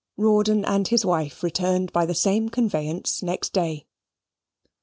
Rawdon and his wife returned by the same conveyance next day.